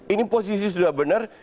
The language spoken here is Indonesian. ini posisi sudah benar